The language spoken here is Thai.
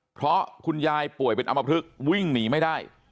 เพราะคุณยายป่วยเป็นอำมพลึกวิ่งหนีไม่ได้